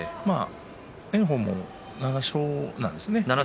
炎鵬も７勝なんですね。